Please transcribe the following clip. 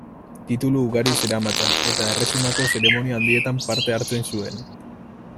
Titulu ugari zeramatzan, eta erresumako zeremonia handietan parte hartzen zuen.